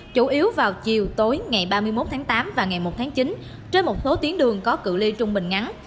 chủ yếu vào chiều tối ngày ba mươi một tháng tám và ngày một tháng chín trên một số tuyến đường có cự li trung bình ngắn